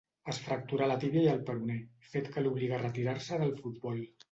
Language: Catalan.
Es fracturà la tíbia i el peroné, fet que l'obligà a retirar-se del futbol.